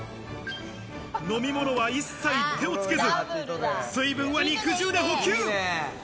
飲み物は一切、手をつけず、水分は肉汁で補給！